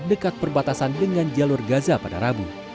dekat perbatasan dengan jalur gaza pada rabu